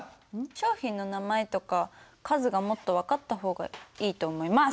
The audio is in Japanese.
商品の名前とか数がもっと分かった方がいいと思います。